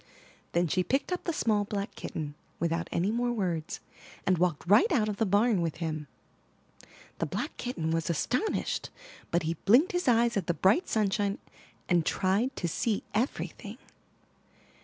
'' Then she picked up the small black kitten, without any more words and walked right out of the barn with him. The black kitten was astonished, but he blinked his eyes at the bright sunshine, and tried to see everything.